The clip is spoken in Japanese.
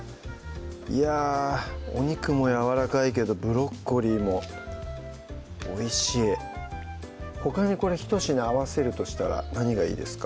いやお肉もやわらかいけどブロッコリーもおいしいほかにひと品合わせるとしたら何がいいですか？